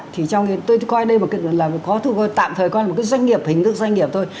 thì trong khi tôi coi đây là tạm thời coi là một cái doanh nghiệp hình thức doanh nghiệp thôi